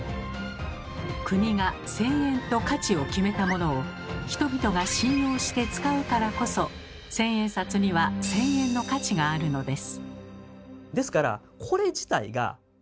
国が１，０００円と価値を決めたものを人々が信用して使うからこそ千円札には１，０００円の価値があるのです。